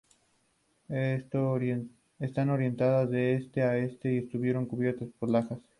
Están orientadas de este a oeste y estuvieron cubiertas por lajas.